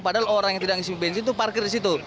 padahal orang yang tidak mengisi bensin itu parkir di situ